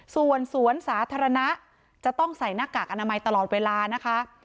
ส่วนสวนสาธารณะจะต้องใส่หน้ากากอนามัยตลอดเวลานะคะ